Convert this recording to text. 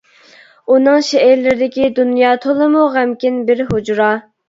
ئۇنىڭ شېئىرلىرىدىكى دۇنيا تولىمۇ غەمكىن بىر ھۇجرا.